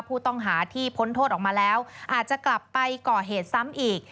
ผู้ต้องหาที่พ้นโทษออกมาแล้วอาจจะกลับไปก่อเหตุซ้ำอีก